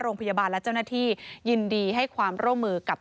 โรงพยาบาลและเจ้าหน้าที่ยินดีให้ความร่วมมือกับ